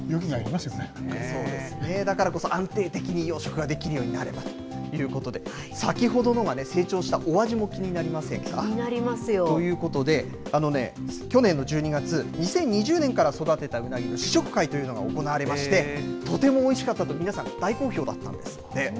だからこそ安定的に養殖ができるようになればということで、先ほどのが成長したお味も気になりませんか？ということで、あのね、去年の１２月、２０２０年から育てたウナギの試食会というのが行われまして、とてもおいしかったと、皆さん大好評だったんですって。